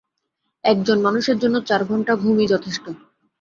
একজন মানুষের জন্যে চার ঘন্টা ঘূমই যথেষ্ট।